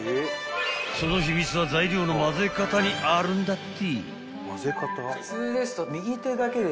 ［その秘密は材料の混ぜ方にあるんだって］